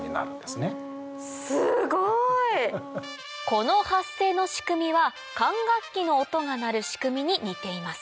この発声の仕組みは管楽器の音が鳴る仕組みに似ています